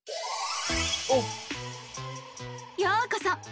ようこそ！